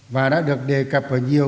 và đã được đề cập vào nhiều